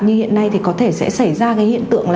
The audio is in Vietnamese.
như hiện nay thì có thể sẽ xảy ra hiện tượng